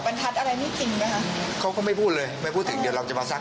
ไม่จริงกันฮะเขาก็ไม่พูดเลยไม่พูดถึงเดี๋ยวเราจะมาซักอีก